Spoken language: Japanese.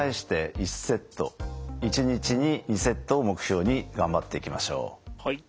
１日に２セットを目標に頑張っていきましょう。